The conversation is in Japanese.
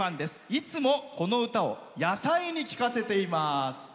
いつも、この歌を野菜に聞かせています。